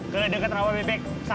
ke dekat rawa bebek satu